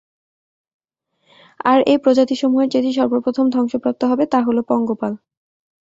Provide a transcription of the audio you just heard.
আর এ প্রজাতিসমূহের যেটি সর্বপ্রথম ধ্বংসপ্রাপ্ত হবে, তা হলো পঙ্গপাল।